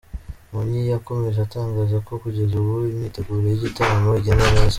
Mbonyi yakomeje atangaza ko kugeza ubu imyiteguro y’igitaramo igenda neza .